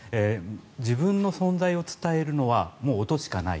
自分の存在を伝えるのは音しかない。